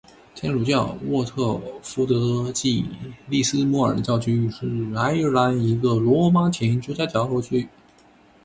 天主教沃特福德暨利斯莫尔教区是爱尔兰一个罗马天主教教区。